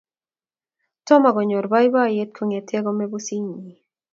Tom konyor poipoiyet kong'ete kome pusit nyi